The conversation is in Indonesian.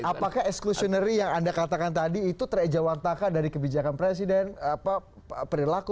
apakah eksklusi nerik yang anda katakan tadi itu terejawataka dari kebijakan presiden apa perilaku